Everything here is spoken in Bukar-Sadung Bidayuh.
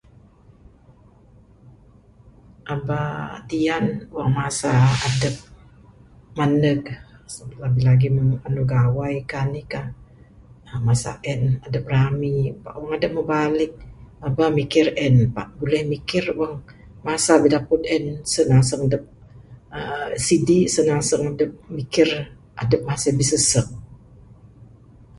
Aba tian wang masa adep mendek lebih-lebih lagi mung andu gawaikah enih kah masa en dep rami, pak wang adep moh balik eba mikir en pak buleh mikir wang masa bideput en sin aseng dep aaa sidik aseng adep mikir adep masih besesek.